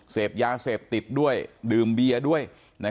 เสพยาเสพติดด้วยดื่มเบียร์ด้วย